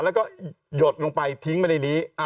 แล้วก็หยดลงไปทิ้งไปในนี้